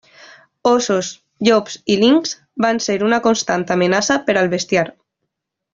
Óssos, llops i linxs van ser una constant amenaça per al bestiar.